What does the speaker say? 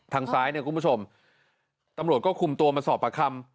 ทางซ้ายเนี่ยคุณผู้ชมตำรวจก็คุมตัวมาสอบประคำ